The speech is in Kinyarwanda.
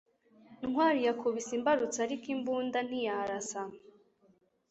ntwali yakubise imbarutso, ariko imbunda ntiyarasa